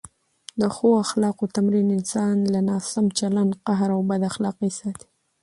د ښو اخلاقو تمرین انسان له ناسم چلند، قهر او بد اخلاقۍ ساتي.